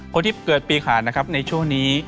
คนที่เกิดปีขาดนะครับในช่วงนี้